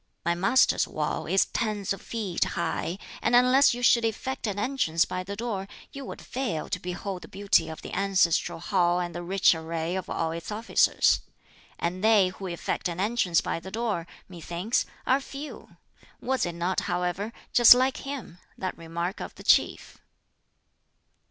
My Master's wall is tens of feet high, and unless you should effect an entrance by the door, you would fail to behold the beauty of the ancestral hall and the rich array of all its officers. And they who effect an entrance by the door, methinks, are few! Was it not, however, just like him that remark of the Chief?"